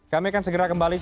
kami akan segera kembali